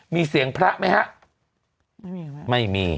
๐๘๑๙๙๘๔๕๑๘มีเสียงพระไหมฮะไม่มี